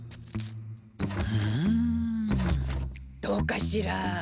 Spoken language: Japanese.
どうかしら？